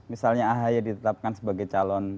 misalnya ahy ditetapkan sebagai calon